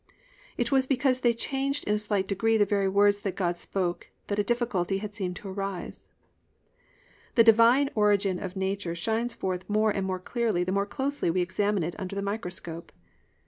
It was because they changed in a slight degree the very words that God spoke that a difficulty had seemed to arise. The Divine origin of nature shines forth more and more clearly the more closely we examine it under the microscope.